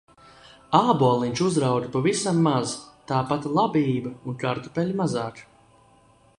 Āboliņš uzauga pavisam maz, tāpat labība un kartupeļi mazāk.